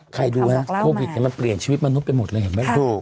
ดูนะโควิดมันเปลี่ยนชีวิตมนุษย์ไปหมดเลยเห็นไหม